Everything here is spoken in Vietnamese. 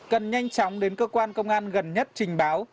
cần nhanh chóng đến cơ quan công an gần nhất trình báo